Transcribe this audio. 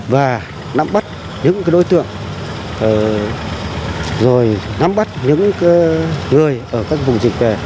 và nắm bắt những đối tượng rồi nắm bắt những người ở các vùng dịch về